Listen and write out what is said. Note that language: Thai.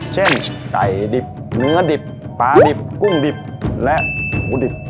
เช่นไก่ดิบเนื้อดิบปลาดิบกุ้งดิบและหมูดิบ